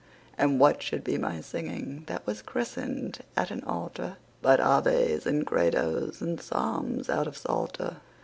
And what should be my singing, that was christened at an altar, But Aves and Credos and Psalms out of Psalter?